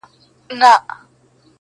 د اشیاو د وجود په حقله شیخ اکبر